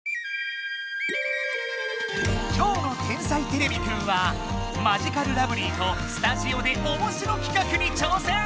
今日の「天才てれびくん」はマヂカルラブリーとスタジオでおもしろ企画に挑戦！